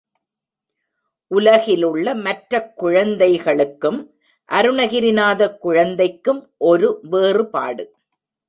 உலகிலுள்ள மற்றக் குழந்தைகளுக்கும், அருணகிரிநாதக் குழந்தைக்கும் ஒரு வேறுபாடு.